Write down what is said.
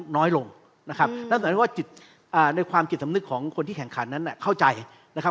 ในความจิตสำนึกของคนที่แข่งขานั้นเข้าใจนะครับ